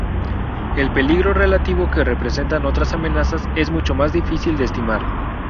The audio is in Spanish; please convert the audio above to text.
El peligro relativo que representan otras amenazas es mucho más difícil de estimar.